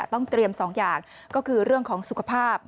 ต้องเตรียม๒อย่างก็คือเรื่องของสุขภาพ